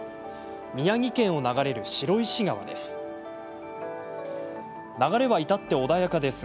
宮城県を流れる白石川です。